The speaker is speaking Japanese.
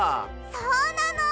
そうなの！